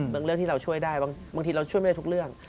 เรื่องที่เราช่วยได้บางทีเราช่วยไม่ได้ทุกเรื่อง